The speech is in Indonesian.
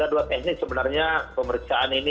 ada dua teknik sebenarnya pemerintahan ini